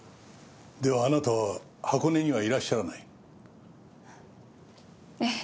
ではあなたは箱根にはいらっしゃらない？ええ。